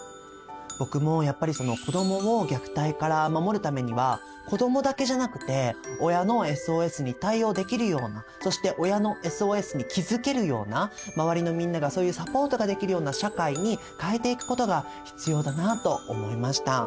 僕もやっぱり子どもを虐待から守るためには子どもだけじゃなくて親のＳＯＳに対応できるようなそして親のＳＯＳに気付けるような周りのみんながそういうサポートができるような社会に変えていくことが必要だなと思いました。